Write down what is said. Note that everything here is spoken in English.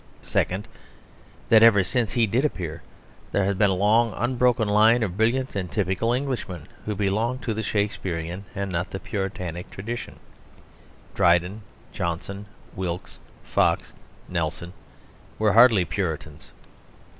Second, that ever since he did appear there has been a long unbroken line of brilliant and typical Englishmen who belonged to the Shakespearian and not the Puritanic tradition; Dryden, Johnson, Wilkes, Fox, Nelson, were hardly Puritans.